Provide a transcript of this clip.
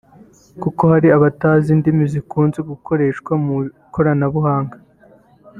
kuko hari abatazi indimi zikunze gukoreshwa mu ikoranabuhanga